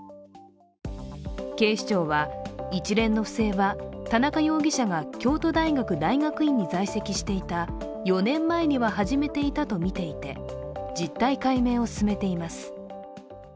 警視庁は、一連の不正は田中容疑者が京都大学大学院に所属していた４年前には始めていたとみていて、実態解明を進めています。